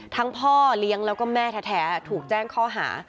พ่อเลี้ยงแล้วก็แม่แท้ถูกแจ้งข้อหา